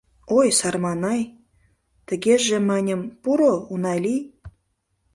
Ой, сарманай, тыгеже, маньым, пуро, уна лий.